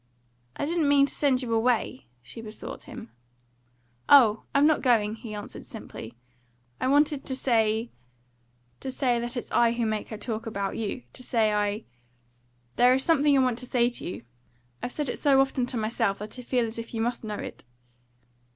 "I didn't mean to send you away," she besought him. "Oh, I'm not going," he answered simply. "I wanted to say to say that it's I who make her talk about you. To say I There is something I want to say to you; I've said it so often to myself that I feel as if you must know it."